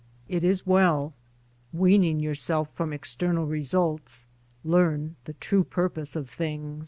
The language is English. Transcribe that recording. It is well — Weaning yourself from external results learn the true purposes of things.